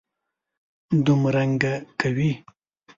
دومرنګه کوي.